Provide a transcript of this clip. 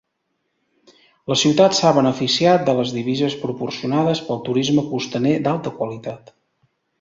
La ciutat s'ha beneficiat de les divises proporcionades pel turisme costaner d'alta qualitat.